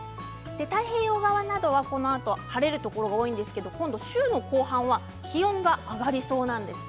太平洋側などは、このあと晴れるところが多いんですが週の後半は気温が上がりそうです。